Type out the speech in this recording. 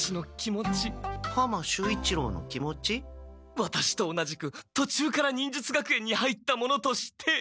ワタシと同じくとちゅうから忍術学園に入った者として。